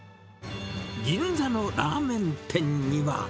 銀座のラーメン店には。